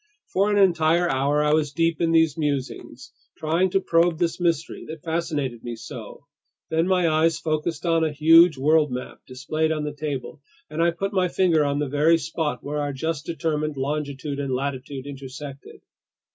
For an entire hour I was deep in these musings, trying to probe this mystery that fascinated me so. Then my eyes focused on a huge world map displayed on the table, and I put my finger on the very spot where our just determined longitude and latitude intersected.